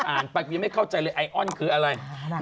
ไปยังไม่เข้าใจเลยไอออนคืออะไร